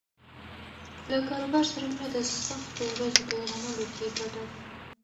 له کاروبار سره مینه د سختو ورځو په زغملو کې پټه ده.